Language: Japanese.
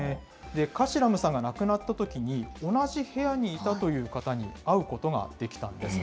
カシラムさんが亡くなったときに、同じ部屋にいたという方に会うことができたんです。